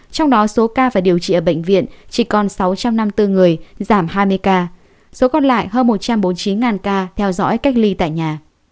trong đó số ca phải điều trị ở bệnh viện chỉ còn sáu trăm năm mươi bốn người giảm hai mươi ca số còn lại hơn một trăm bốn mươi chín ca theo dõi cách ly tại nhà